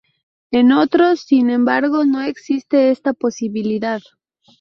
En otros, sin embargo, no existe esta posibilidad.